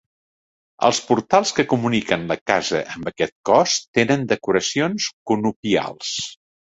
Els portals que comuniquen la casa amb aquest cos tenen decoracions conopials.